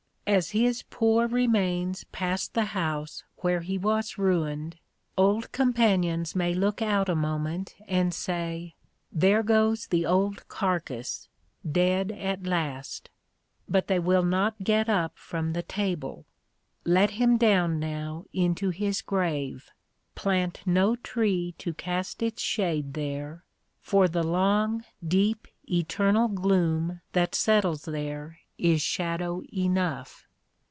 As his poor remains pass the house where he was ruined, old companions may look out a moment and say "There goes the old carcass dead at last," but they will not get up from the table. Let him down now into his grave. Plant no tree to cast its shade there, for the long, deep, eternal gloom that settles there is shadow enough.